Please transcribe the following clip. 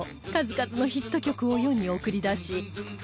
数々のヒット曲を世に送り出し